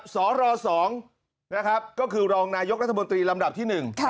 สรสองก็คือรองนายกรัฐบนตรีลำดับที่หนึ่ง